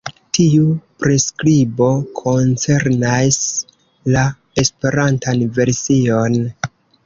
Tiu priskribo koncernas la Esperantan version.